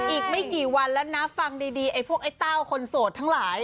อีกไม่กี่วันแล้วนะฟังดีไอ้พวกไอ้เต้าคนโสดทั้งหลาย